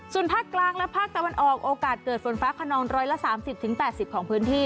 ส่วนภาคกลางและภาคตะวันออกโอกาสเกิดฝนฟ้าขนอง๑๓๐๘๐ของพื้นที่